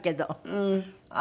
うん。